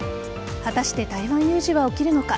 果たして台湾有事は起きるのか。